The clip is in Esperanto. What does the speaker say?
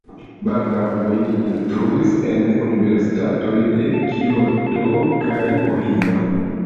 Baldaŭe li instruis en universitatoj de Kioto kaj Ohio.